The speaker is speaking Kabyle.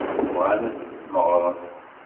Bɣan ad t-smeɣren.